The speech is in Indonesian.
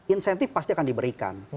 insentif pasti akan diberikan